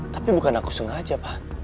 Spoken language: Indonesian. tapi bukan aku sengaja